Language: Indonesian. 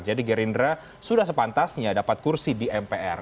jadi gerindra sudah sepantasnya dapat kursi di mpr